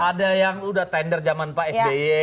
ada yang udah tender zaman pak sby